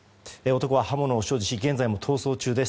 男は刃物を所持し現在も逃走中です。